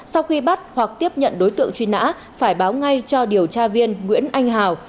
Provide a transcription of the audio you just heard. sau khi bắt hoặc tiếp nhận đối tượng truy nã phải báo ngay cho điều tra viên nguyễn anh hào